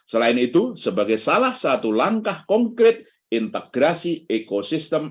selain itu sebagai salah satu langkah konkret integrasi ekosistem